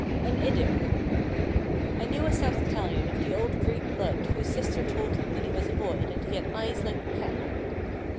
An Idyll I knew a South Italian of the old Greek blood whose sister told him when he was a boy that he had eyes like a cow.